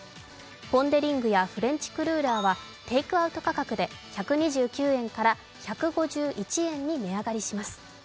ポン・デ・リングやフレンチクルーラーはテイクアウト価格で１２９円から１５１円に値上がりします。